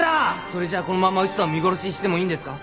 それじゃこのまま内さんを見殺しにしてもいいんですか？